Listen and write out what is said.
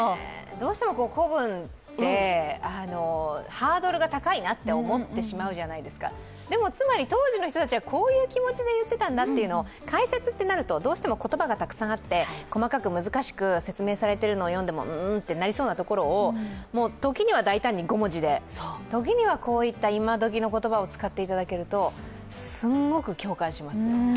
どうしても古文って、ハードルが高いなって、思ってしまうじゃないですかでも、つまり当時の人たちはこういう気持ちで言ってたんだって解説ってなると、どうしても言葉がたくさんあって、細かく難しく説明されているのを詠んでもうんとなりそうなところを時には大胆に５文字で、時には今どきの言葉を使っていただけるとすごく共感します。